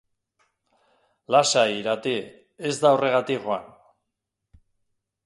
Lasai Irati, ez da horregatik joan.